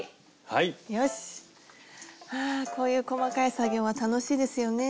はこういう細かい作業は楽しいですよね。